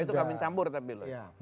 karena itu kawin campur tapi loh